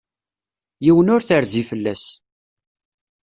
Yiwen ur terzi fell-as.